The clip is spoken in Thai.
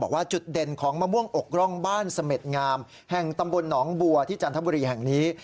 ว่าจุดเด่นของมะม่วงอกร่องบ้านเสม็ดงามแห่งตำบลหนองบัวที่จันทบุรีแห่งนี้